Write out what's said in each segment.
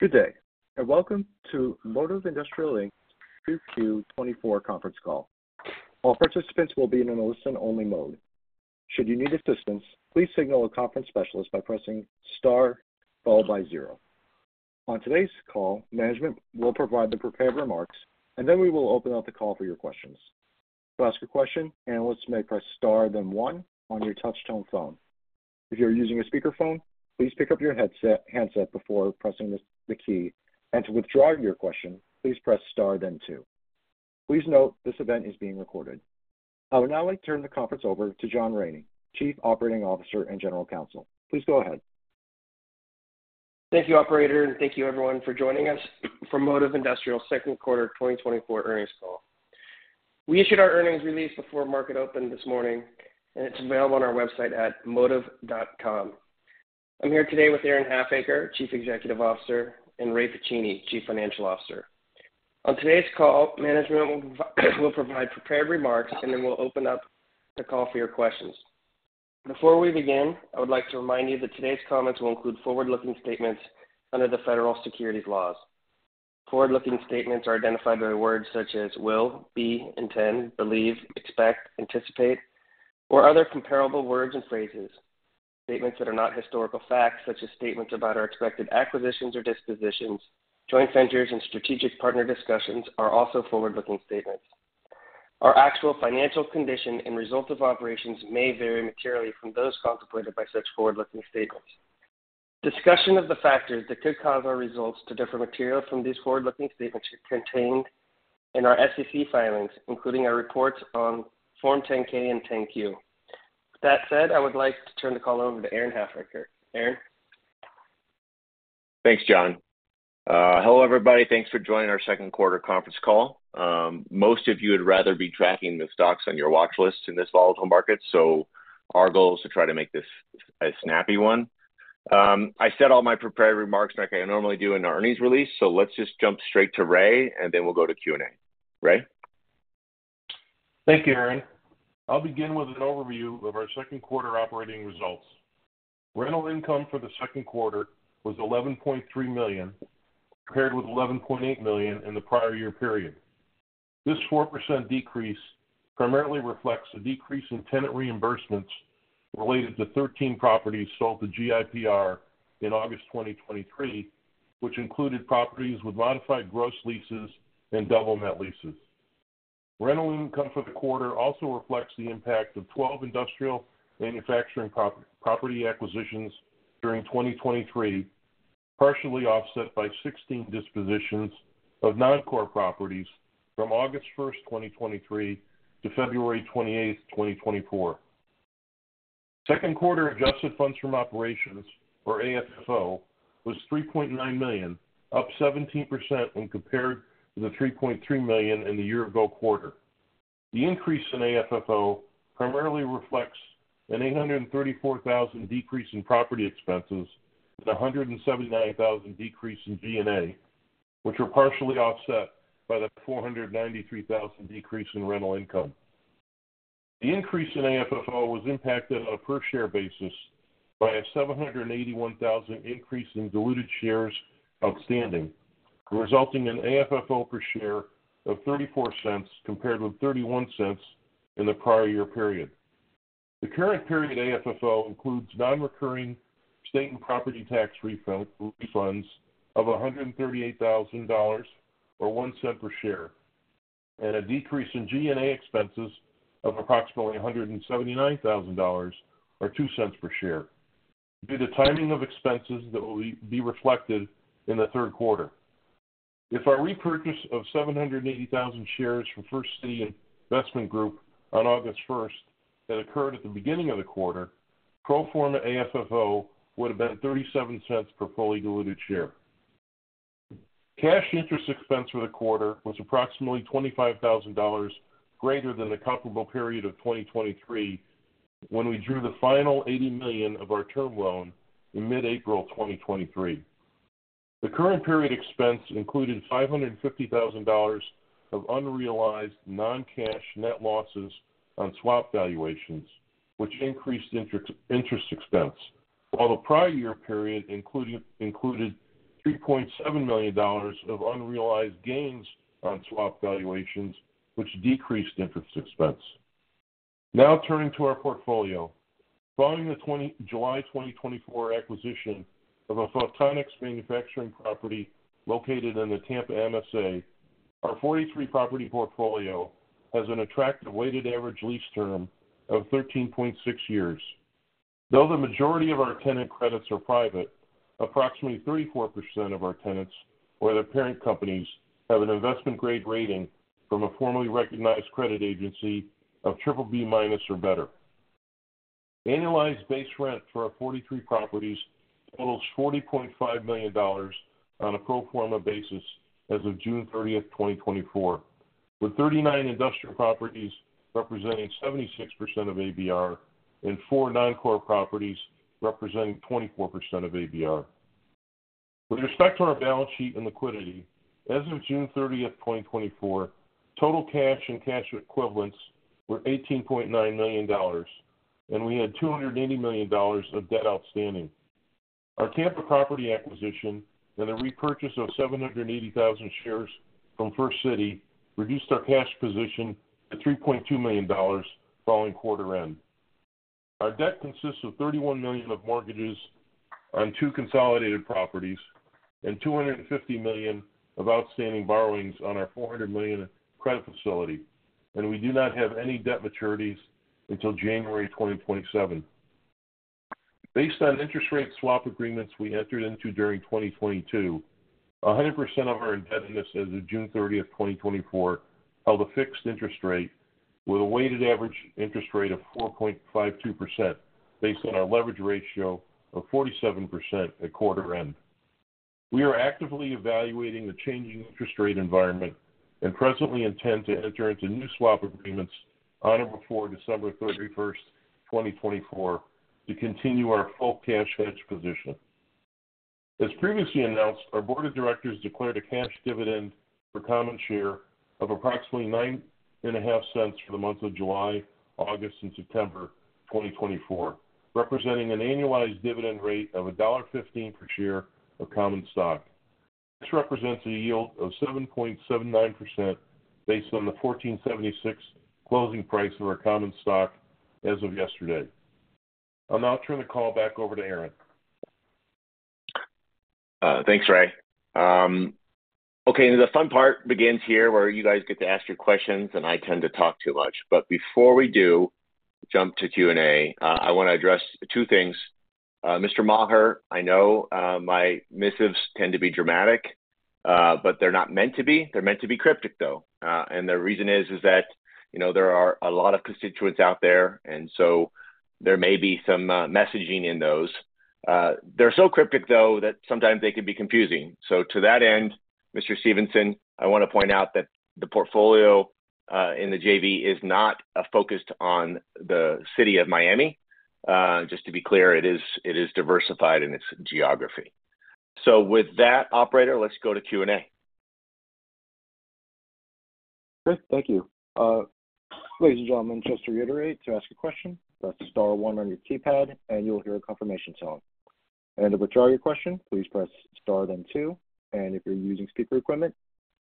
Good day, and welcome to Modiv Industrial, Inc.'s Q2 2024 conference call. All participants will be in a listen-only mode. Should you need assistance, please signal a conference specialist by pressing star followed by zero. On today's call, management will provide the prepared remarks, and then we will open up the call for your questions. To ask a question, analysts may press star, then one on your touchtone phone. If you're using a speakerphone, please pick up your handset before pressing the key, and to withdraw your question, please press star, then two. Please note, this event is being recorded. I would now like to turn the conference over to John Raney, Chief Operating Officer and General Counsel. Please go ahead. Thank you, operator, and thank you everyone for joining us for Modiv Industrial's second quarter 2024 earnings call. We issued our earnings release before market open this morning, and it's available on our website at modiv.com. I'm here today with Aaron Halfacre, Chief Executive Officer, and Ray Pacini, Chief Financial Officer. On today's call, management will provide prepared remarks, and then we'll open up the call for your questions. Before we begin, I would like to remind you that today's comments will include forward-looking statements under the federal securities laws. Forward-looking statements are identified by words such as will, be, intend, believe, expect, anticipate, or other comparable words and phrases. Statements that are not historical facts, such as statements about our expected acquisitions or dispositions, joint ventures and strategic partner discussions are also forward-looking statements. Our actual financial condition and results of operations may vary materially from those contemplated by such forward-looking statements. Discussion of the factors that could cause our results to differ materially from these forward-looking statements are contained in our SEC filings, including our reports on Form 10-K and 10-Q. With that said, I would like to turn the call over to Aaron Halfacre. Aaron? Thanks, John. Hello, everybody. Thanks for joining our second quarter conference call. Most of you would rather be tracking the stocks on your watch list in this volatile market, so our goal is to try to make this a snappy one. I said all my prepared remarks like I normally do in our earnings release, so let's just jump straight to Ray, and then we'll go to Q&A. Ray? Thank you, Aaron. I'll begin with an overview of our second quarter operating results. Rental income for the second quarter was $11.3 million, compared with $11.8 million in the prior year period. This 4% decrease primarily reflects a decrease in tenant reimbursements related to 13 properties sold to GIPR in August 2023, which included properties with modified gross leases and double net leases. Rental income for the quarter also reflects the impact of 12 industrial manufacturing property acquisitions during 2023, partially offset by 16 dispositions of noncore properties from August 1, 2023, to February 28, 2024. Second quarter adjusted funds from operations, or AFFO, was $3.9 million, up 17% when compared to the $3.3 million in the year ago quarter. The increase in AFFO primarily reflects an $834,000 decrease in property expenses and a $179,000 decrease in G&A, which were partially offset by the $493,000 decrease in rental income. The increase in AFFO was impacted on a per share basis by a 781,000 increase in diluted shares outstanding, resulting in AFFO per share of $0.34, compared with $0.31 in the prior year period. The current period AFFO includes non-recurring state and property tax refund, refunds of $138,000, or $0.01 per share, and a decrease in G&A expenses of approximately $179,000, or $0.02 per share, due to the timing of expenses that will be reflected in the third quarter. If our repurchase of 780,000 shares from First City Investment Group on August first, that occurred at the beginning of the quarter, pro forma AFFO would have been $0.37 per fully diluted share. Cash interest expense for the quarter was approximately $25,000 greater than the comparable period of 2023, when we drew the final $80 million of our term loan in mid-April 2023. The current period expense included $550,000 of unrealized non-cash net losses on swap valuations, which increased interest expense, while the prior year period included $3.7 million of unrealized gains on swap valuations, which decreased interest expense. Now, turning to our portfolio. Following the July 20, 2024 acquisition of a photonics manufacturing property located in the Tampa MSA, our 43-property portfolio has an attractive weighted average lease term of 13.6 years. Though the majority of our tenant credits are private, approximately 34% of our tenants or their parent companies have an investment-grade rating from a formaly recognized credit agency of BBB- or better. Annualized base rent for our 43 properties totals $40.5 million on a pro forma basis as of June 30, 2024, with 39 industrial properties representing 76% of ABR and 4 noncore properties representing 24% of ABR. With respect to our balance sheet and liquidity, as of June 30, 2024, total cash and cash equivalents were $18.9 million.... and we had $280 million of debt outstanding. Our Tampa property acquisition and a repurchase of 780,000 shares from First City reduced our cash position to $3.2 million following quarter end. Our debt consists of $31 million of mortgages on two consolidated properties and $250 million of outstanding borrowings on our $400 million credit facility, and we do not have any debt maturities until January 2027. Based on interest rate swap agreements we entered into during 2022, 100% of our indebtedness as of June 30, 2024, held a fixed interest rate with a weighted average interest rate of 4.52% based on our leverage ratio of 47% at quarter end. We are actively evaluating the changing interest rate environment and presently intend to enter into new swap agreements on or before December thirty-first, 2024, to continue our full cash hedge position. As previously announced, our board of directors declared a cash dividend per common share of approximately $0.095 for the month of July, August, and September 2024, representing an annualized dividend rate of $1.15 per share of common stock. This represents a yield of 7.79% based on the $14.76 closing price of our common stock as of yesterday. I'll now turn the call back over to Aaron. Thanks, Ray. Okay, and the fun part begins here, where you guys get to ask your questions, and I tend to talk too much. But before we do jump to Q&A, I want to address two things. Mr. Maher, I know, my missives tend to be dramatic, but they're not meant to be. They're meant to be cryptic, though. And the reason is, is that, you know, there are a lot of constituents out there, and so there may be some messaging in those. They're so cryptic, though, that sometimes they can be confusing. So to that end, Mr. Stevenson, I want to point out that the portfolio in the JV is not focused on the city of Miami. Just to be clear, it is, it is diversified in its geography. So with that, operator, let's go to Q&A. Great. Thank you. Ladies and gentlemen, just to reiterate, to ask a question, press star one on your keypad, and you'll hear a confirmation tone. To withdraw your question, please press star, then two, and if you're using speaker equipment,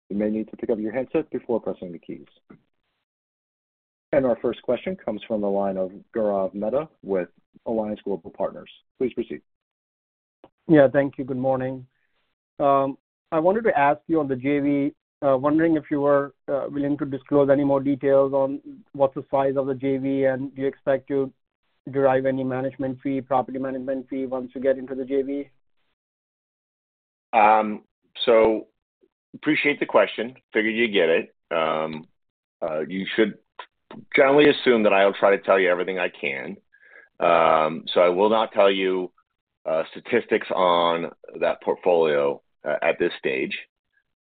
you may need to pick up your handset before pressing the keys. Our first question comes from the line of Gaurav Mehta with Alliance Global Partners. Please proceed. Yeah, thank you. Good morning. I wanted to ask you on the JV, wondering if you were willing to disclose any more details on what's the size of the JV? And do you expect to derive any management fee, property management fee, once you get into the JV? So appreciate the question. Figured you'd get it. You should generally assume that I'll try to tell you everything I can. So I will not tell you statistics on that portfolio at this stage.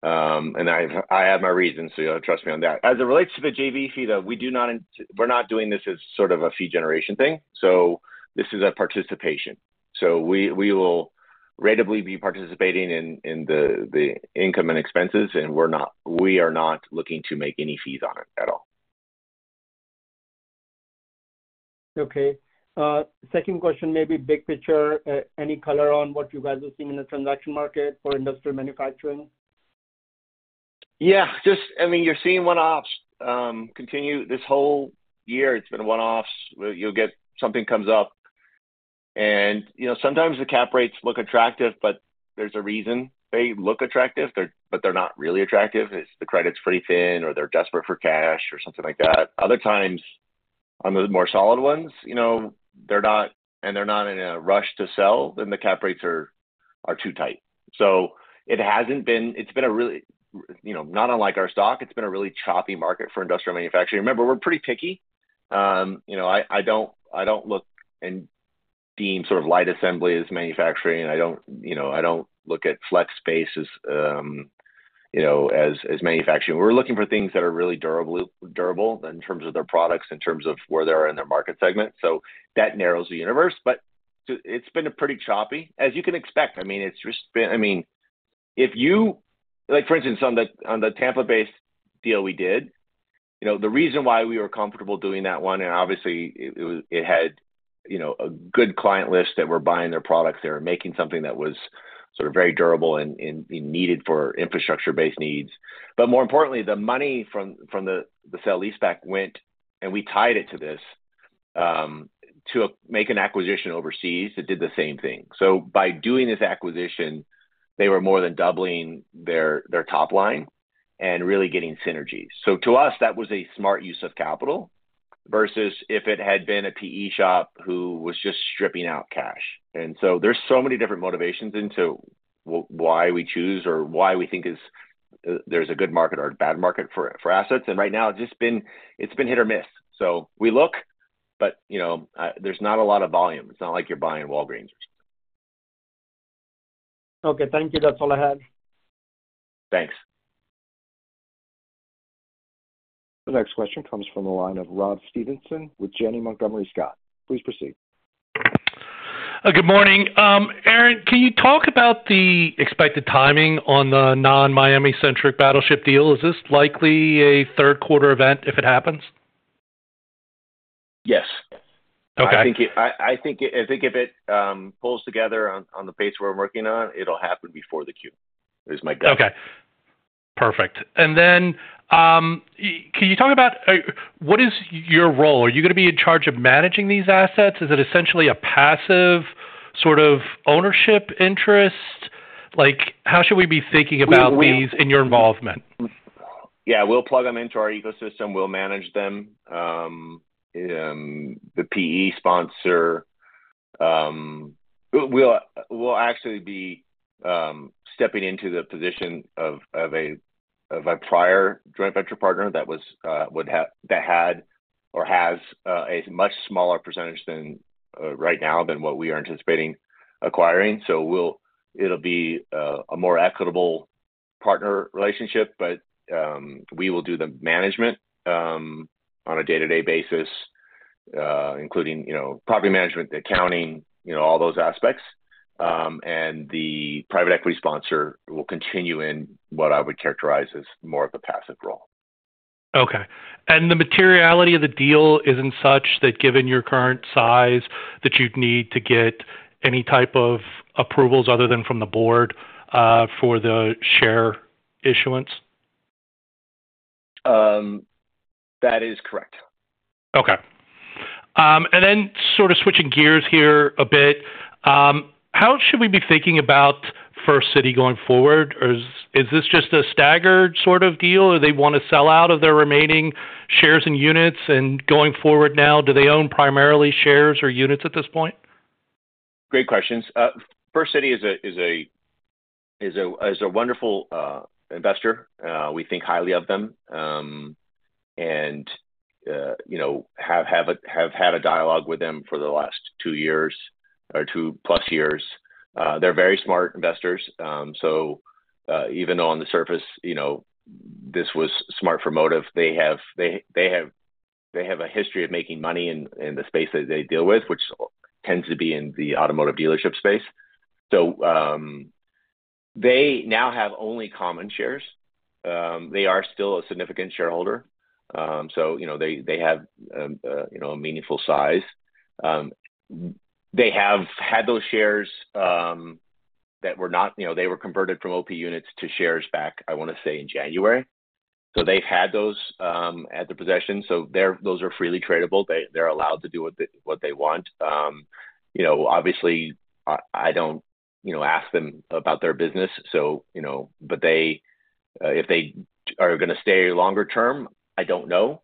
And I have my reasons, so you ought to trust me on that. As it relates to the JV fee, though, we do not, we're not doing this as sort of a fee generation thing, so this is a participation. So we will ratably be participating in the income and expenses, and we're not, we are not looking to make any fees on it at all. Okay. Second question may be big picture. Any color on what you guys are seeing in the transaction market for industrial manufacturing? Yeah, just... I mean, you're seeing one-offs continue. This whole year, it's been one-offs, where you'll get something comes up, and, you know, sometimes the cap rates look attractive, but there's a reason they look attractive. They're, but they're not really attractive. It's the credit's pretty thin, or they're desperate for cash or something like that. Other times, on the more solid ones, you know, they're not, and they're not in a rush to sell, then the cap rates are too tight. So it hasn't been. It's been a really, you know, not unlike our stock, it's been a really choppy market for industrial manufacturing. Remember, we're pretty picky. You know, I, I don't, I don't look and deem sort of light assembly as manufacturing. I don't, you know, I don't look at flex space as, you know, as, as manufacturing. We're looking for things that are really durable in terms of their products, in terms of where they are in their market segment, so that narrows the universe. But it's been a pretty choppy, as you can expect. I mean, it's just been. I mean, if you like, for instance, on the, on the Tampa-based deal we did, you know, the reason why we were comfortable doing that one, and obviously, it had, you know, a good client list that were buying their products. They were making something that was sort of very durable and needed for infrastructure-based needs. But more importantly, the money from the sale-leaseback went, and we tied it to this to make an acquisition overseas that did the same thing. So by doing this acquisition, they were more than doubling their top line and really getting synergies. So to us, that was a smart use of capital, versus if it had been a PE shop who was just stripping out cash. And so there's so many different motivations into why we choose or why we think is there's a good market or a bad market for assets, and right now, it's just been hit or miss. So we look, but you know, there's not a lot of volume. It's not like you're buying Walgreens or something. Okay, thank you. That's all I had. Thanks. The next question comes from the line of Rob Stevenson with Janney Montgomery Scott. Please proceed.... Good morning. Aaron, can you talk about the expected timing on the non-Miami centric battleship deal? Is this likely a third quarter event if it happens? Yes. Okay. I think if it pulls together on the pace we're working on, it'll happen before the Q, is my guess. Okay, perfect. And then, can you talk about what is your role? Are you gonna be in charge of managing these assets? Is it essentially a passive sort of ownership interest? Like, how should we be thinking about these and your involvement? Yeah, we'll plug them into our ecosystem, we'll manage them. The PE sponsor, we'll actually be stepping into the position of a prior joint venture partner that had or has a much smaller percentage than right now than what we are anticipating acquiring. So it'll be a more equitable partner relationship. But we will do the management on a day-to-day basis, including, you know, property management, accounting, you know, all those aspects. And the private equity sponsor will continue in what I would characterize as more of a passive role. Okay. The materiality of the deal isn't such that given your current size, that you'd need to get any type of approvals other than from the board, for the share issuance? That is correct. Okay. And then sort of switching gears here a bit, how should we be thinking about First City going forward? Or is this just a staggered sort of deal, or they wanna sell out of their remaining shares and units, and going forward now, do they own primarily shares or units at this point? Great questions. First City is a wonderful investor. We think highly of them, and, you know, have had a dialogue with them for the last 2 years or 2+ years. They're very smart investors, so even though on the surface, you know, this was smart for Modiv, they have a history of making money in the space that they deal with, which tends to be in the automotive dealership space. So, they now have only common shares. They are still a significant shareholder. So, you know, they have a meaningful size. They have had those shares that were not, you know, they were converted from OP units to shares back, I wanna say, in January. So they've had those at their possession, so they're those are freely tradable. They, they're allowed to do what they, what they want. You know, obviously, I, I don't, you know, ask them about their business, so, you know, but they, if they are gonna stay longer term, I don't know.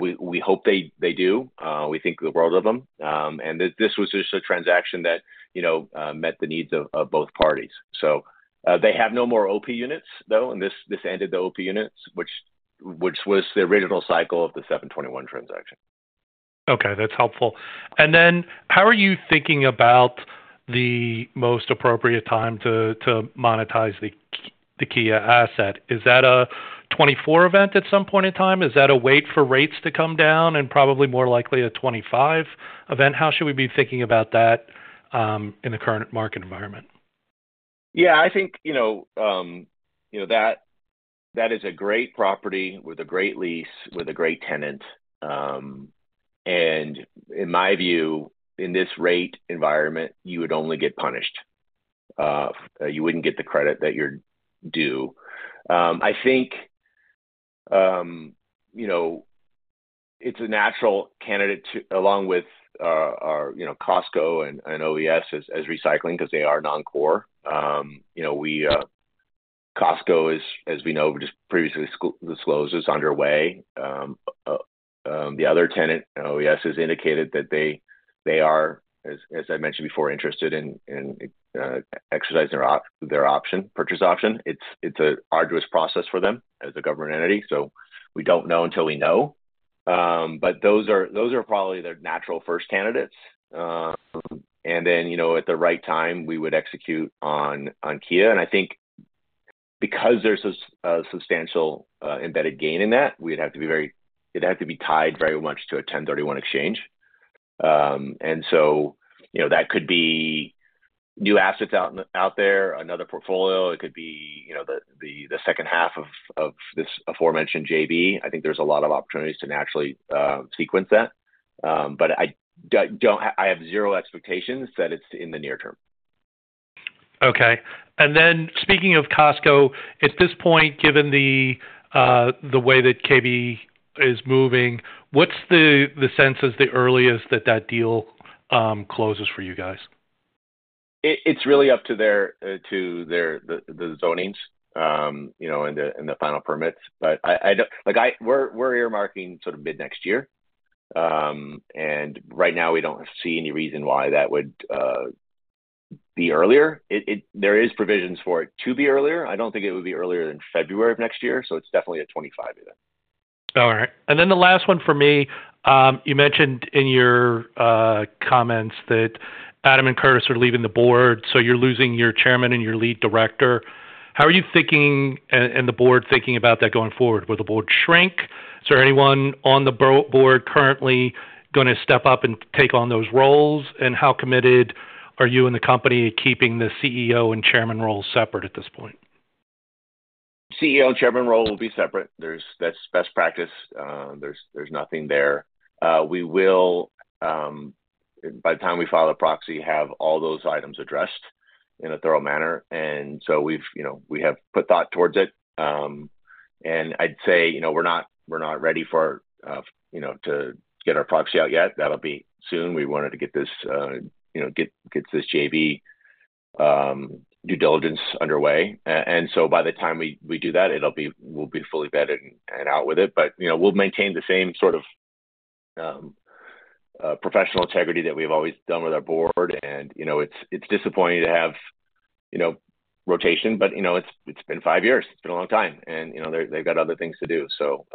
We, we hope they, they do. We think the world of them. And this was just a transaction that, you know, met the needs of, of both parties. So, they have no more OP units, though, and this, this ended the OP units, which, which was the original cycle of the 721 transaction. Okay, that's helpful. And then how are you thinking about the most appropriate time to monetize the Kia asset? Is that a 2024 event at some point in time? Is that a wait for rates to come down and probably more likely a 2025 event? How should we be thinking about that in the current market environment? Yeah, I think, you know, you know, that is a great property with a great lease, with a great tenant. And in my view, in this rate environment, you would only get punished. You wouldn't get the credit that you're due. I think, you know, it's a natural candidate along with our, you know, Costco and OES as recycling because they are non-core. You know, Costco is, as we know, we just previously disclosed, is underway. The other tenant, OES, has indicated that they are, as I mentioned before, interested in exercising their option, purchase option. It's an arduous process for them as a government entity, so we don't know until we know. But those are probably their natural first candidates. And then, you know, at the right time, we would execute on Kia. And I think because there's a substantial embedded gain in that, we'd have to be very. It'd have to be tied very much to a 1031 exchange. And so, you know, that could be new assets out there, another portfolio. It could be, you know, the second half of this aforementioned JV. I think there's a lot of opportunities to naturally sequence that. But I don't. I have zero expectations that it's in the near term. Okay. And then speaking of Costco, at this point, given the way that the city is moving, what's the sense as the earliest that that deal closes for you guys? It's really up to their zoning, you know, and the final permits. But like, we're earmarking sort of mid-next year. And right now we don't see any reason why that would be earlier. It, there is provisions for it to be earlier. I don't think it would be earlier than February of next year, so it's definitely a 2025 event. All right. And then the last one for me. You mentioned in your comments that Adam and Curtis are leaving the board, so you're losing your chairman and your lead director.... How are you thinking, and the board thinking about that going forward? Will the board shrink? Is there anyone on the board currently gonna step up and take on those roles? And how committed are you and the company keeping the CEO and chairman roles separate at this point? CEO and chairman role will be separate. There's. That's best practice. There's nothing there. We will, by the time we file a proxy, have all those items addressed in a thorough manner. And so we've, you know, we have put thought towards it. And I'd say, you know, we're not, we're not ready for, you know, to get our proxy out yet. That'll be soon. We wanted to get this, you know, get this JV due diligence underway. And so by the time we do that, it'll be we'll be fully vetted and out with it. But, you know, we'll maintain the same sort of professional integrity that we've always done with our board. And, you know, it's disappointing to have, you know, rotation, but, you know, it's been five years. It's been a long time and, you know, they've got other things to do. So,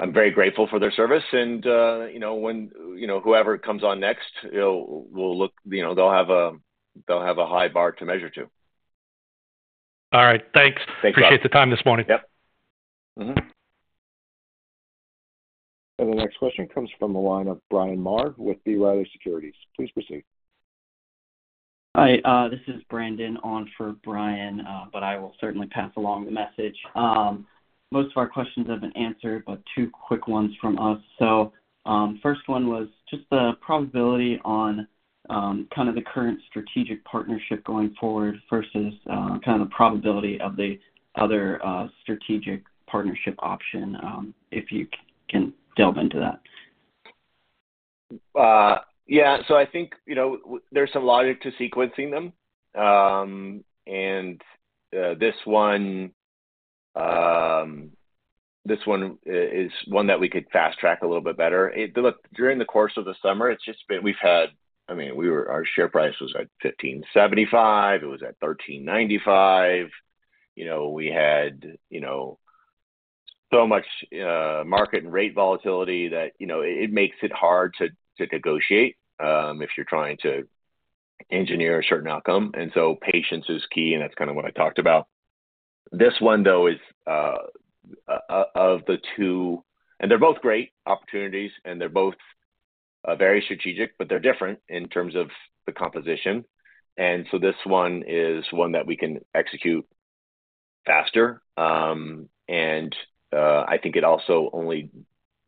I'm very grateful for their service and, you know, when, you know, whoever comes on next, it'll look, you know, they'll have a high bar to measure to. All right, thanks. Thanks, Rob. Appreciate the time this morning. Yep. Mm-hmm. The next question comes from the line of Bryan Maher with B. Riley Securities. Please proceed. Hi, this is Brandon on for Bryan, but I will certainly pass along the message. Most of our questions have been answered, but two quick ones from us. So, first one was just the probability on, kind of the current strategic partnership going forward versus, kind of the probability of the other, strategic partnership option, if you can delve into that. Yeah. So I think, you know, there's some logic to sequencing them. And this one is one that we could fast track a little bit better. Look, during the course of the summer, it's just been... We've had... I mean, we were— our share price was at $15.75, it was at $13.95. You know, we had, you know, so much market and rate volatility that, you know, it makes it hard to negotiate if you're trying to engineer a certain outcome, and so patience is key, and that's kind of what I talked about. This one, though, is of the two... And they're both great opportunities, and they're both very strategic, but they're different in terms of the composition. And so this one is one that we can execute faster. And I think it also only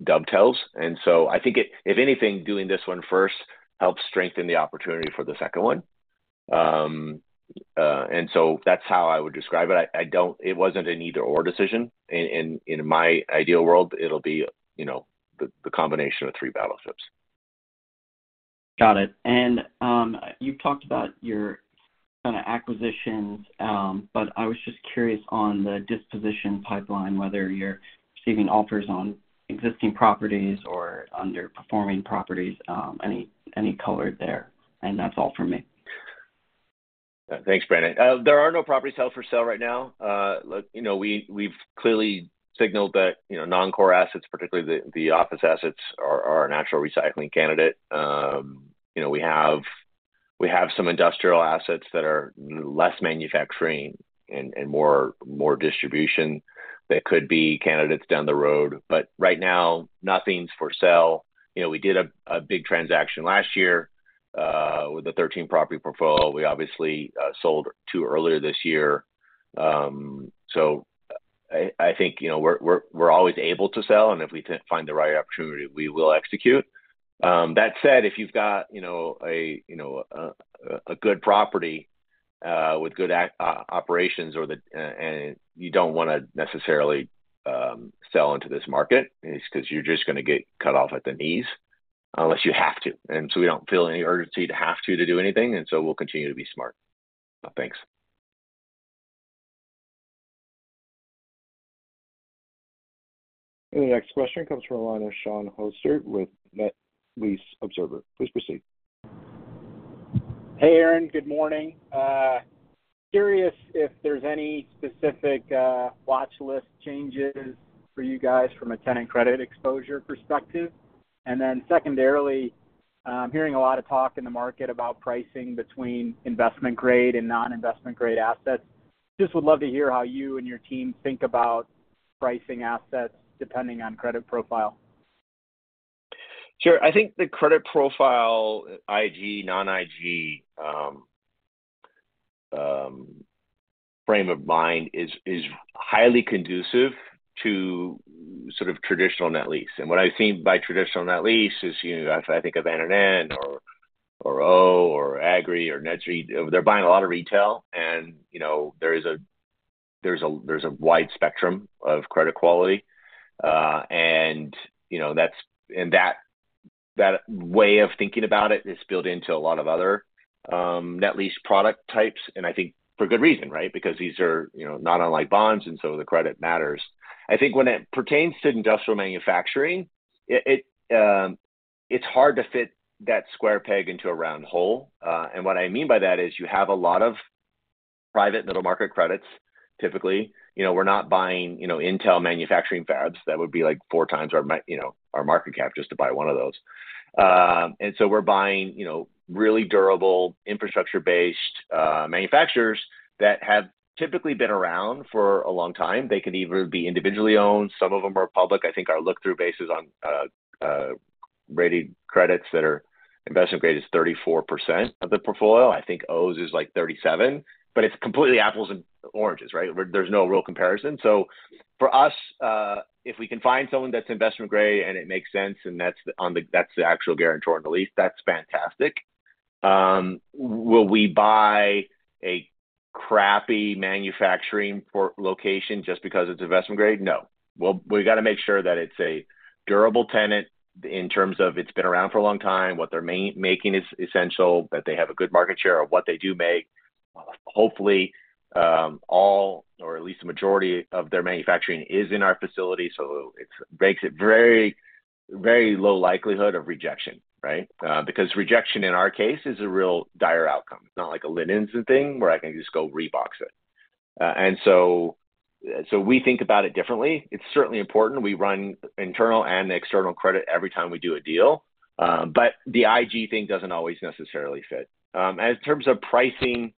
dovetails. So I think it, if anything, doing this one first helps strengthen the opportunity for the second one. So that's how I would describe it. I don't. It wasn't an either/or decision. In my ideal world, it'll be, you know, the combination of the three battleships. Got it. And, you've talked about your kind of acquisitions, but I was just curious on the disposition pipeline, whether you're receiving offers on existing properties or underperforming properties, any, any color there? And that's all for me. Thanks, Brandon. There are no properties held for sale right now. Look, you know, we've clearly signaled that, you know, non-core assets, particularly the office assets, are a natural recycling candidate. You know, we have some industrial assets that are less manufacturing and more distribution that could be candidates down the road, but right now, nothing's for sale. You know, we did a big transaction last year with the 13-property portfolio. We obviously sold 2 earlier this year. So I think, you know, we're always able to sell, and if we find the right opportunity, we will execute. That said, if you've got, you know, a good property with good operations or the... And you don't wanna necessarily sell into this market, is 'cause you're just gonna get cut off at the knees, unless you have to. And so we don't feel any urgency to have to do anything, and so we'll continue to be smart. Thanks. The next comes from the line of Cullen. Please proceed. Hey, Aaron, good morning. Curious if there's any specific watch list changes for you guys from a tenant credit exposure perspective. And then secondarily, hearing a lot of talk in the market about pricing between investment grade and non-investment grade assets. Just would love to hear how you and your team think about pricing assets depending on credit profile. Sure. I think the credit profile, IG, non-IG frame of mind is highly conducive to sort of traditional net lease. And what I mean by traditional net lease is, you know, I think of NNN or, or O, or Agree, or NETSTREIT. They're buying a lot of retail and, you know, there is a wide spectrum of credit quality. And, you know, that's—and that way of thinking about it is built into a lot of other net lease product types, and I think for good reason, right? Because these are, you know, not unlike bonds, and so the credit matters. I think when it pertains to industrial manufacturing, it's hard to fit that square peg into a round hole. And what I mean by that is you have a lot of private middle-market credits-... Typically, you know, we're not buying, you know, Intel manufacturing fabs. That would be, like, 4 times our market cap just to buy one of those. And so we're buying, you know, really durable infrastructure-based manufacturers that have typically been around for a long time. They could either be individually owned, some of them are public. I think our look-through base is on rated credits that are investment grade is 34% of the portfolio. I think O's is, like, 37%, but it's completely apples and oranges, right? There's no real comparison. So for us, if we can find someone that's investment grade, and it makes sense, and that's the actual guarantor on the lease, that's fantastic. Will we buy a crappy manufacturing poor location just because it's investment grade? No. We gotta make sure that it's a durable tenant in terms of it's been around for a long time, what they're making is essential, that they have a good market share of what they do make. Hopefully, all or at least a majority of their manufacturing is in our facility, so it makes it very, very low likelihood of rejection, right? Because rejection, in our case, is a real dire outcome. Not like a Linens 'n Things, where I can just go rebox it. And so, so we think about it differently. It's certainly important. We run internal and external credit every time we do a deal, but the IG thing doesn't always necessarily fit. As terms of pricing,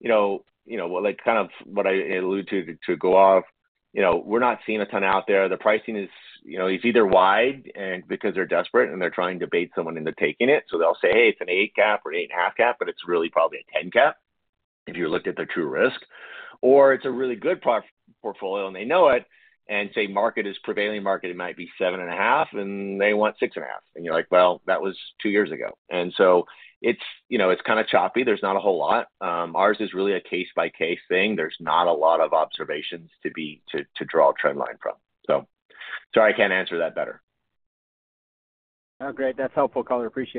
you know, you know, well, like, kind of what I alluded to, to go off, you know, we're not seeing a ton out there. The pricing is, you know, it's either wide, and because they're desperate, and they're trying to bait someone into taking it. So they'll say, "Hey, it's an 8 cap or 8.5 cap," but it's really probably a 10 cap if you looked at the true risk. Or it's a really good pro- portfolio, and they know it, and say, market is prevailing market, it might be 7.5, and they want 6.5. And you're like, "Well, that was two years ago." And so it's, you know, it's kinda choppy. There's not a whole lot. Ours is really a case-by-case thing. There's not a lot of observations to be to draw a trend line from. So sorry, I can't answer that better. Oh, great. That's helpful, Cullen. Appreciate it.